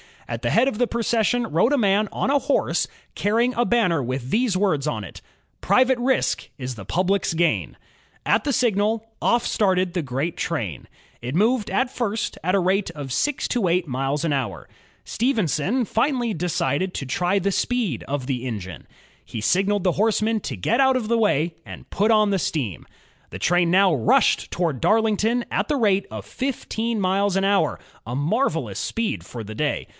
At the head of the procession rode a man on a horse, carrying a banner with these words on it: ^'Private Risk is the Public^s Gain^ At the signal, off started the great train. It moved at first at a rate of six to eight miles an hour. Stephenson finally decided to GEORGE STEPHENSON 66 INVENTIONS OF STEAM AND ELECTRIC POWER try the speed of the engine. He signaled the horseman to get out of the way, and put on the steam. The train now rushed toward Darlington at the rate of fifteen miles an hour, a marvelous speed for the day.